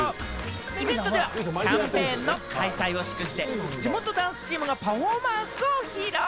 イベントではキャンペーンの開催を祝して、地元ダンスチームがパフォーマンスを披露。